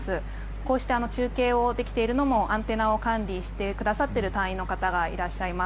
こうした中継ができているのもアンテナを管理してくださっている隊員の方がいらっしゃいます。